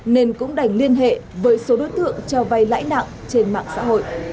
nên cũng đành liên hệ với số đối tượng cho vay lãi nặng trên mạng xã hội